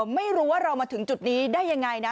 ไม่รู้ว่าเรามาถึงจุดนี้ได้ยังไงนะ